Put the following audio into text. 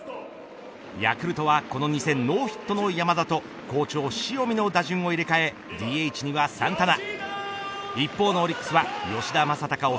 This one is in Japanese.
ヤクルトはこの２戦ノーヒットの山田と好調塩見の打順を入れ替えＤＨにはサンタナ。